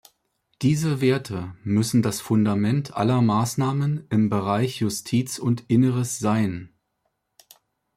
Diese Werte müssen das Fundament aller Maßnahmen im Bereich Justiz und Inneres sein.